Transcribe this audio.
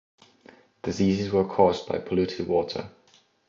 Diseases were caused by polluted water.